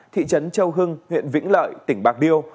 thị trấn châu hưng huyện vĩnh lợi tỉnh bạc liêu